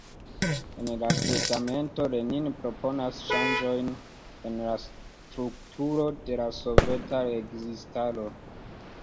En la testamento, Lenin proponas ŝanĝojn en la strukturo de la soveta registaro.